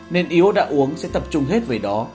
nên yếu đã uống sẽ tập trung hết về đó